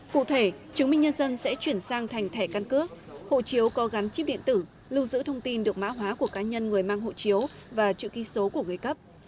cụ thể chứng minh nhân dân sẽ chuyển sang thành thẻ căn cước hộ chiếu có gắn chip điện tử lưu giữ thông tin được mã hóa của cá nhân người mang hộ chiếu và chữ ký số của người cấp